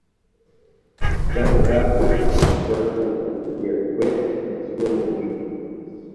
That was after the disgruntled engineer quit and 'spilled the beans.